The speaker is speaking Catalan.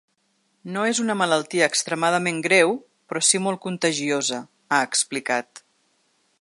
No és una malaltia extremadament greu, però sí molt contagiosa, ha explicat.